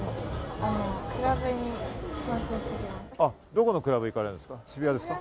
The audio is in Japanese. どこのクラブに行かれるんですか？